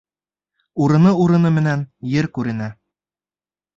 Урыны-урыны менән ер күренә.